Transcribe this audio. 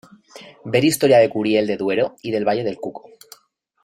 Ver historia de Curiel de Duero y del Valle del Cuco.